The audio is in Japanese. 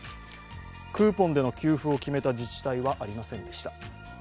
クーポンでの給付を決めた自治体はありませんでした。